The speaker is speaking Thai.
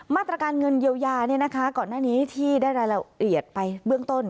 มาตรการเงินเยียวยาก่อนหน้านี้ที่ได้รายละเอียดไปเบื้องต้น